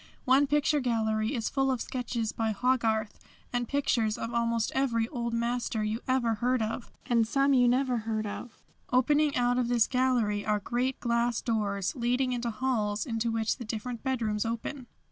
One picture gallery is full of sketches by Hogarth, and pictures of almost every old master you ever heard of, and some you never heard of. Opening out of this gallery are great glass doors leading into halls into which the different bedrooms open.